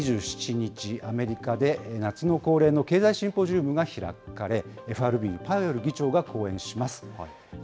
こちら、２７日、アメリカで夏の恒例の経済シンポジウムが開かれ、ＦＲＢのパウエル議長が講演します。